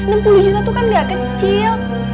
eh enam puluh juta tuh kan nggak kecil